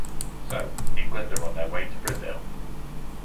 So, England are on their way to Brazil.